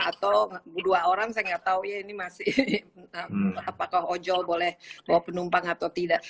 atau dua orang saya nggak tahu ya ini masih apakah ojol boleh bawa penumpang atau tidak